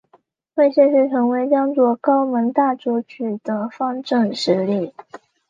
为谢氏成为江左高门大族取得方镇实力。